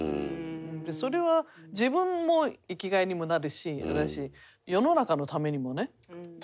それは自分も生きがいにもなるし世の中のためにもね。確かに。